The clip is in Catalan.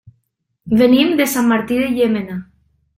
Venim de Sant Martí de Llémena.